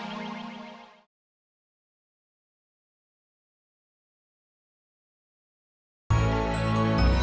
jangan lupa like share dan subscribe ya